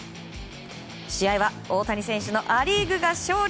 試合は大谷選手のア・リーグが勝利。